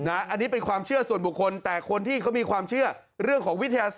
อันนี้เป็นความเชื่อส่วนบุคคลแต่คนที่เขามีความเชื่อเรื่องของวิทยาศา